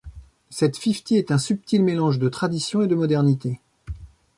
Cette Fiftie est un subtil mélange de tradition et de modernité.